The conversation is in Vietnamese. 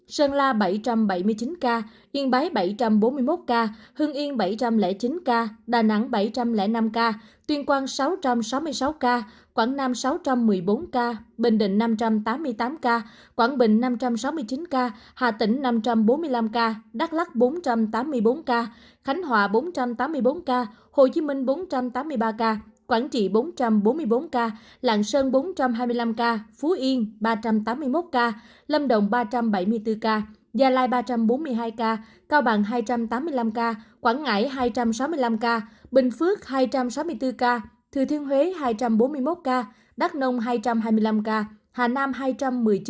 sơn la bảy trăm bảy mươi chín ca yên bái bảy trăm bốn mươi một ca hương yên bảy trăm linh chín ca đà nẵng bảy trăm linh năm ca tuyên quang sáu trăm sáu mươi sáu ca quảng nam sáu trăm một mươi bốn ca bình định năm trăm tám mươi tám ca quảng bình năm trăm sáu mươi chín ca hà tĩnh năm trăm bốn mươi năm ca đắk lắc bốn trăm tám mươi bốn ca khánh hòa bốn trăm tám mươi bốn ca hồ chí minh bốn trăm tám mươi ba ca quảng trị bốn trăm bốn mươi bốn ca lạng sơn bốn trăm hai mươi năm ca phú yên ba trăm tám mươi một ca lâm động ba trăm bảy mươi bốn ca hồ chí minh bốn trăm tám mươi ba ca hồ chí minh bốn trăm tám mươi ba ca hồ chí minh bốn trăm tám mươi ba ca hồ chí minh bốn trăm tám mươi ba ca hồ chí minh bốn trăm tám mươi ba ca hồ chí minh bốn trăm tám mươi ba ca hồ chí minh bốn trăm tám mươi ba ca hồ chí minh bốn trăm tám mươi ba ca hồ chí minh bốn trăm tám mươi ba ca hồ chí